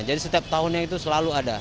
jadi setiap tahunnya itu selalu ada